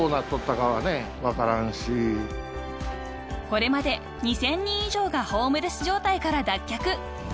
［これまで２，０００人以上がホームレス状態から脱却］